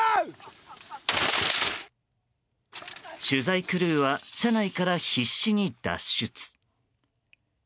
取材クルーは車内から必死に脱出。